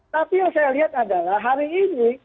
tapi yang saya lihat adalah hari ini